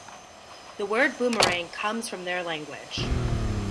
The word boomerang comes from their language.